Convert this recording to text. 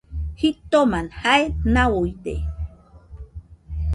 Jitoma jae nauide